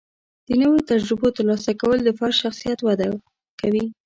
د نوي تجربو ترلاسه کول د فرد شخصیت وده کوي.